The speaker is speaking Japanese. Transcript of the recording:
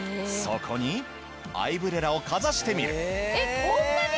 そこにアイブレラをかざしてみる。